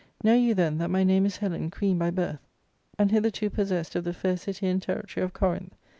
Know you, then, that my name is Helen, queen by birth, and hitherto possessed of the fair city and territory of Corinth.